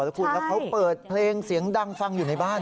แล้วคุณแล้วเขาเปิดเพลงเสียงดังฟังอยู่ในบ้าน